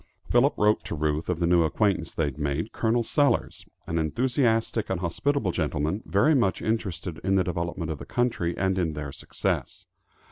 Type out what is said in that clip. Philip wrote to Ruth of the new acquaintance they had made, Col. Sellers, an enthusiastic and hospitable gentleman, very much interested in the development of the country, and in their success.